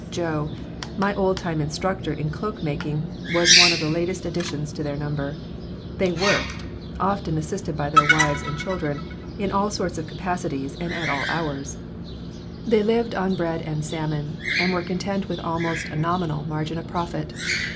Joe, my old time instructor in cloak making, was one of the latest additions to their number. They worked often assisted by their wives and children in all sorts of capacities and at all hours. They lived on bread and salmon and were content with almost a nominal margin of profit.